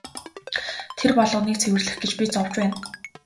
Тэр болгоныг цэвэрлэх гэж би зовж байна.